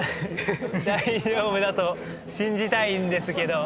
大丈夫だと信じたいんですけど。